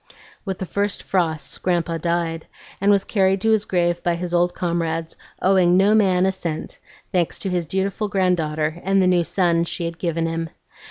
With the first frosts Grandpa died, and was carried to his grave by his old comrades, owing no man a cent, thanks to his dutiful granddaughter and the new son she had given him.